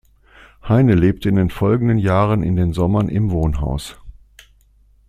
Heine lebte in den folgenden Jahren in den Sommern im Wohnhaus.